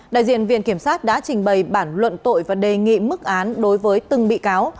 đại diện viện kiểm sát đã trình bày bản luận tội và đề nghị mức án đối với từng bị cáo